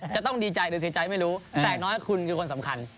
จะต้องดีใจหรือเสียใจไม่รู้แต่น้อยคุณคือคนสำคัญ